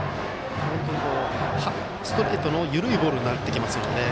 本当に、ストレートの緩いボールになってきますので。